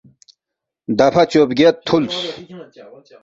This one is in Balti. دفعہ چوبگیاد تُھولس